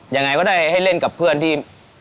ยังไงก็ได้ให้เล่นกับเพื่อนที่